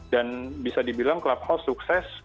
dan bisa dibilang clubhouse sukses